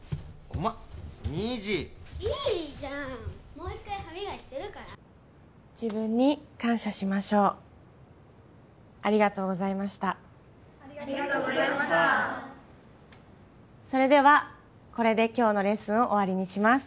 おま虹いいじゃんもう一回歯磨きするから自分に感謝しましょうありがとうございましたありがとうございましたそれではこれで今日のレッスンを終わりにします